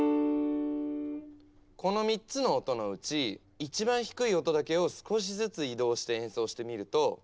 この３つの音のうち一番低い音だけを少しずつ移動して演奏してみると。